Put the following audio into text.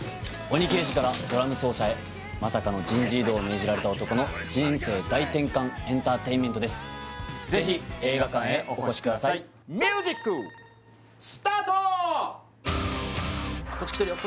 鬼刑事からドラム奏者へまさかの人事異動を命じられた男の人生大転換エンターテインメントです是非映画館へお越しくださいこっち来てるよ